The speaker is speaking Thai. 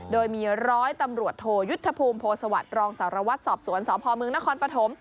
โดยมีร้อยตำรวจโทยุทธภูมิโพสวัสดิ์รองสารวัตรสอบสวนสพมนครปฐม